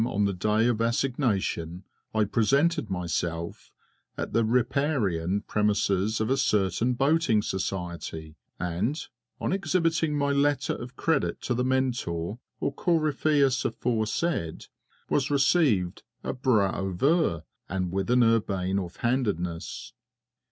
on the day of assignation I presented myself at the riparian premises of a certain Boating Society, and, on exhibiting my letter of credit to the Mentor or Corypheus aforesaid, was received à bras ouverts and with an urbane offhandedness.